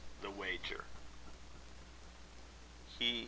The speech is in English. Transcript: THE WAGER. He...